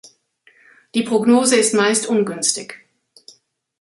Die Prognose ist meist ungünstig.